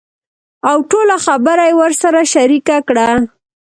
اوټوله خبره يې ورسره شريکه کړه .